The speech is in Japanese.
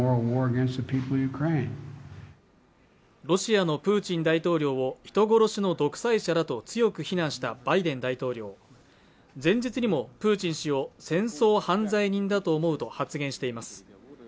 ロシアのプーチン大統領を人殺しの独裁者だと強く非難したバイデン大統領前日にもプーチン氏を戦争犯罪人だと思うと発言しています